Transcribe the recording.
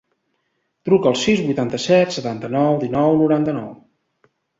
Truca al sis, vuitanta-set, setanta-nou, dinou, noranta-nou.